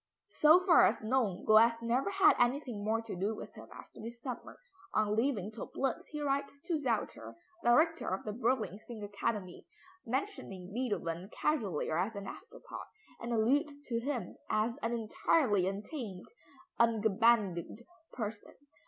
So far as known, Goethe never had anything more to do with him after this summer. On leaving Töplitz he writes to Zelter, Director of the Berlin Singakademie, mentioning Beethoven casually or as an afterthought, and alludes to him as an "entirely untamed (ungebändigt) person."